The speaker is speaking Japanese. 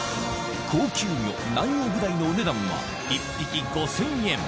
高級魚ナンヨウブダイのお値段は１匹５０００円